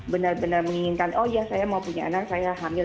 benar benar menginginkan oh ya saya mau punya anak saya hamil